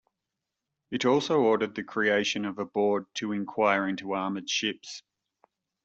It also ordered the creation of a board to inquire into armored ships.